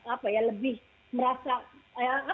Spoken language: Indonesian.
apa ya lebih merasa